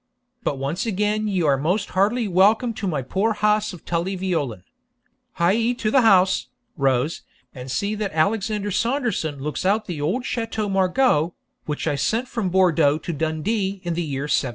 But once again ye are most heartily welcome to my poor house of Tully Veolan! Hie to the house, Rose, and see that Alexander Saunderson looks out the old Chateau Margaux, which I sent from Bourdeaux to Dundee in the year 1713.'